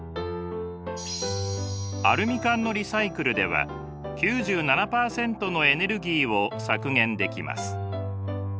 アルミ缶のリサイクルでは９７％のエネルギーを削減できます。